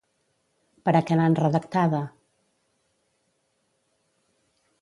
Per a què l'han redactada?